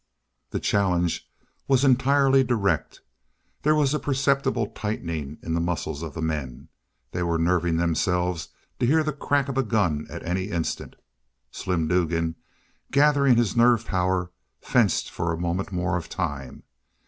The challenge was entirely direct. There was a perceptible tightening in the muscles of the men. They were nerving themselves to hear the crack of a gun at any instant. Slim Dugan, gathering his nerve power, fenced for a moment more of time.